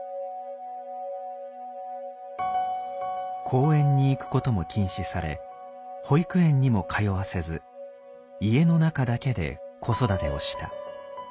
公園に行くことも禁止され保育園にも通わせず家の中だけで子育てをした。